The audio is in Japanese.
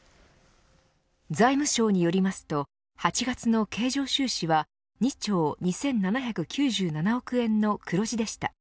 財務省によりますと８月の経常収支は２兆２７９７億円の黒字でした。